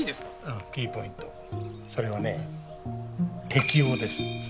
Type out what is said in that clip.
うんキーポイントそれはね適応です。